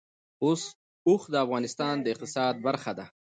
اوښ د افغانستان د اقتصاد برخه ده.